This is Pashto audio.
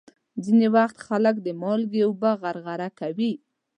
ځینې وخت خلک د مالګې اوبه غرغره کوي.